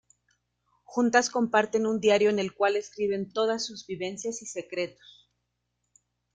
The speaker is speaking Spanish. Juntas comparten un diario en el cual escriben todas sus vivencias y secretos.